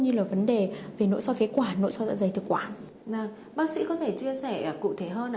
như là vấn đề về nội soi phế quản nội soi dạ dày thực quản bác sĩ có thể chia sẻ cụ thể hơn ạ